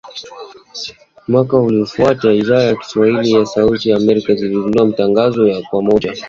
Mwaka uliofuata Idhaa ya Kiswahili ya Sauti ya Amerika ilizindua matangazo ya moja kwa moja